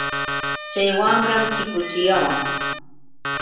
Chay wamram chikuchiyawan.